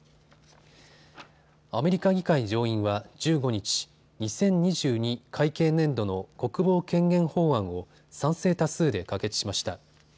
アメリカ議会上院は１５日、２０２２会計年度の国防権限法案を賛成多数で可決しました。